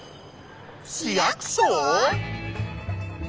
市役所？